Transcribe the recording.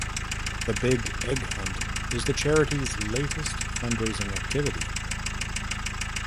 The Big Egg Hunt is the charity's latest fundraising activity.